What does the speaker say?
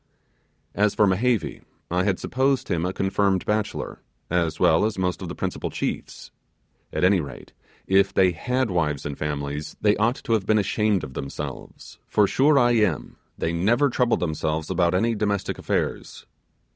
As for Mehevi, I had supposed him a confirmed bachelor, as well as most of the principal chiefs. At any rate, if they had wives and families, they ought to have been ashamed of themselves; for sure I am, they never troubled themselves about any domestic affairs.